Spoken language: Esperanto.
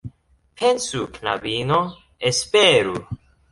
Pensu, knabino, esperu!